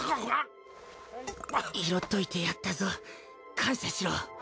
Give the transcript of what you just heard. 拾っといてやったぞ感謝しろ。